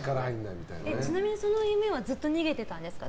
ちなみにその夢はずっと逃げてたんですか？